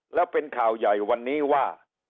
แล้วเป็นข่าวใหญ่วันนี้ว่า